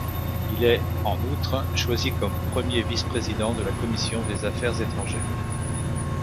Il est, en outre, choisi comme premier vice-président de la commission des Affaires étrangères.